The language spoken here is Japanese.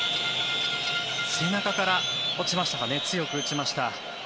背中から落ちましたかね強く打ちました。